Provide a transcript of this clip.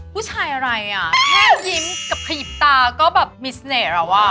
ผู้ชายอะไรอ่ะแค่ยิ้มกับขยิบตาก็แบบมีเสน่ห์แล้วอ่ะ